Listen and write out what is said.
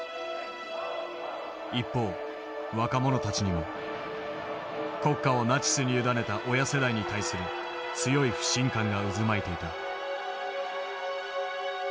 一方若者たちにも国家をナチスに委ねた親世代に対する強い不信感が渦巻いていた。